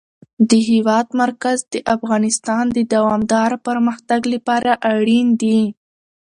د هېواد مرکز د افغانستان د دوامداره پرمختګ لپاره اړین دي.